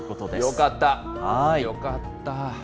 よかった。